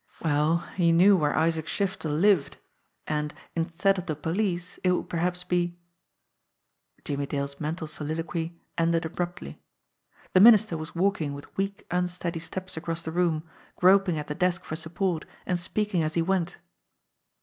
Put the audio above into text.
Well, he knew where Isaac Shiftel lived, and instead of the police, it would perhaps be Jimmie Dale's mental soliloquy ended abruptly. The Min ister was walking with weak, unsteady steps across the room, groping at the desk for support, and speaking as he went.